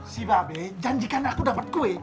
si babe janjikan aku dapat kue